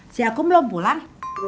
si aku belum pulang